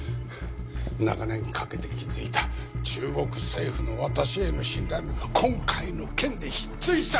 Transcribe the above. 長年かけて築いた中国政府の私への信頼も今回の件で失墜した！